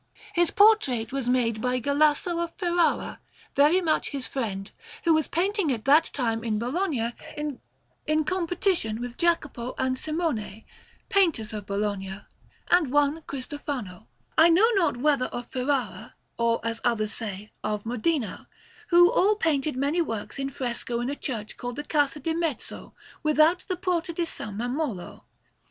His portrait was made by Galasso of Ferrara, very much his friend, who was painting at that time in Bologna in competition with Jacopo and Simone, painters of Bologna, and one Cristofano I know not whether of Ferrara, or, as others say, of Modena who all painted many works in fresco in a church called the Casa di Mezzo, without the Porta di S. Mammolo.